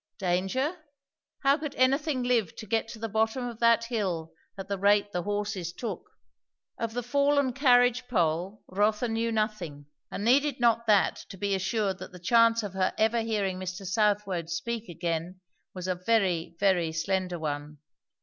Danger? how could anything live to get to the bottom of that hill at the rate the horses took? Of the fallen carnage pole Rotha knew nothing, and needed not that to be assured that the chance of her ever hearing Mr. Southwode speak again was a very, very slender one.